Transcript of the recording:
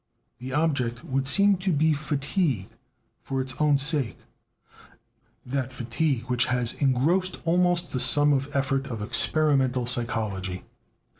The object would seem to be fatigue for its own sake, that fatigue which has engrossed almost the sum of effort of experimental psychology.